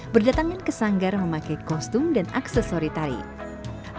berdatangan ke sanggar memakai kostum dan aksesori tari